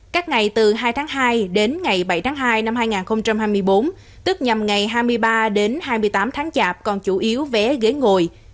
các ngày từ hai tháng hai đến ngày bảy tháng hai năm hai nghìn hai mươi bốn tức nhằm ngày hai mươi ba đến hai mươi tám tháng chạp còn chủ yếu vé ghế ngồi